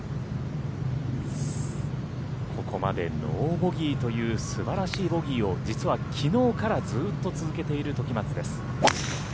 ここまでノーボギーという素晴らしいプレーを実はきのうからずっと続けている時松です。